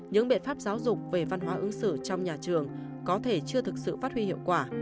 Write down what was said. những biện pháp giáo dục về văn hóa ứng xử trong nhà trường có thể chưa thực sự phát huy hiệu quả